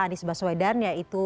anies baswedan yaitu